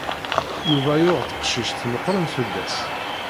Yuba yuɣ tqcict meqqren fell-as.